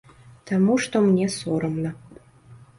Таму што мне сорамна.